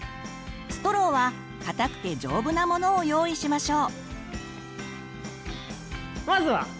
ストローは硬くて丈夫なものを用意しましょう。